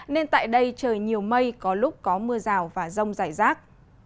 nên tại đây trời nhiều mây có lúc có mưa rào và rông rải rác